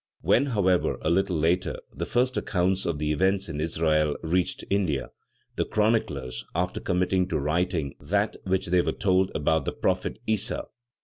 When, however, a little later, the first accounts of the events in Israel reached India, the chroniclers, after committing to writing that which they were told about the prophet, Issa, _viz.